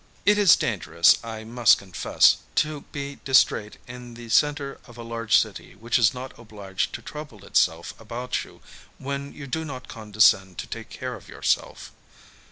It is dangerous, I must confess, to be distrait in the centre of a large city which is not obliged to trouble itself about you when you do not condescend to take care of yourself.